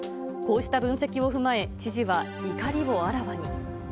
こうした分析を踏まえ、知事は怒りをあらわに。